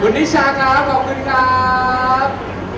คุณนิชชากาขอบคุณครับ